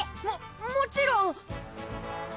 ももちろん！